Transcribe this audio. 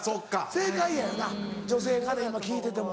正解やよな女性から今聞いてても。